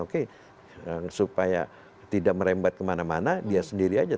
oke supaya tidak merembat kemana mana dia sendiri aja